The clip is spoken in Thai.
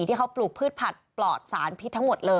ที่เขาปลูกพืชผัดปลอดสารพิษทั้งหมดเลย